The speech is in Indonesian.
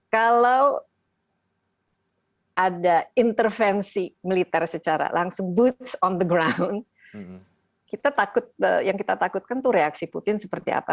kalau ada intervensi militer secara langsung berjalan langsung kita takut yang kita takutkan itu reaksi putin seperti apa